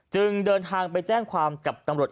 จึงเดินทางไปแจ้งความกับตำรวจ